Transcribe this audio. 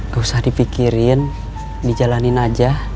gak usah di pikirin dijalanin aja